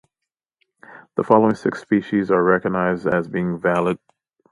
The following six species are recognized as being valid.